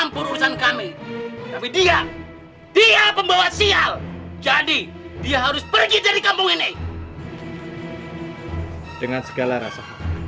enam perusahaan kami tapi dia dia pembawa sial jadi dia harus pergi jadi kampung ini dengan segala rasa